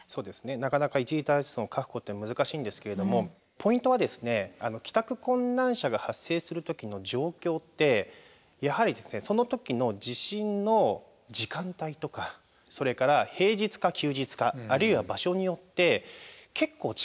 なかなか一時滞在施設の確保って難しいんですけれどもポイントはですね帰宅困難者が発生する時の状況ってやはりその時の地震の時間帯とかそれから平日か休日かあるいは場所によって結構違うんですよね。